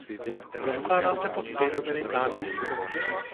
Rozkládá se pod stejnojmenným náměstím.